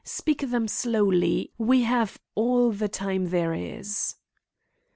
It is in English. Speak them slowly; we have all the time there is."